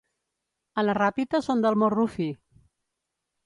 A la Ràpita són del morro fi